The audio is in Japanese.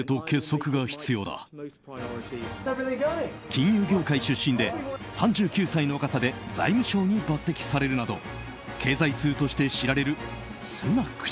金融業界出身で３９歳の若さで財務相に抜擢されるなど経済通として知られるスナク